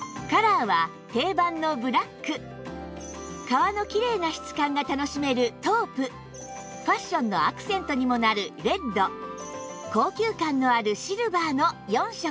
カラーは定番のブラック革のきれいな質感が楽しめるトープファッションのアクセントにもなるレッド高級感のあるシルバーの４色